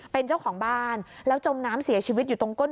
เป็นเจ้าของบ้านแล้วจมน้ำเสียชีวิตอยู่ตรงก้น